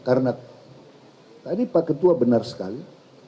karena tadi pak ketua benar sekali